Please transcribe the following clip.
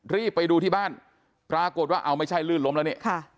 รีบไปดูที่บ้านปรากฏว่าเอาไม่ใช่ลื่นล้มแล้วนี่ค่ะ